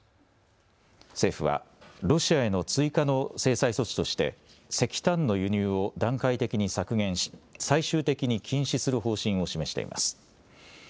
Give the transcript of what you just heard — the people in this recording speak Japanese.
政府はロシアへの追加の制裁措置として石炭の輸入を段階的に削減し最終的に禁止する方針を示しています。